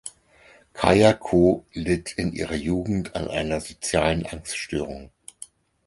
Kaija Koo litt in ihrer Jugend an einer sozialen Angststörung.